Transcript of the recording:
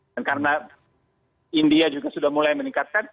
dan karena india juga sudah mulai meningkatkan